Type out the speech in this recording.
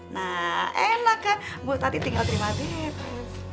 nah enak kan bu tati tinggal terima gitu